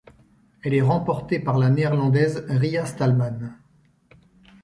Elle est remportée par la Néerlandaise Ria Stalman.